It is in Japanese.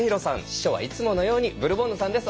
秘書はいつものようにブルボンヌさんです。